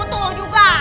ibu tuh juga